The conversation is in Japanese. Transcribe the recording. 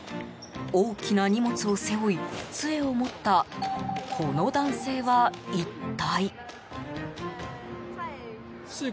大きな荷物を背負い杖を持ったこの男性は、一体？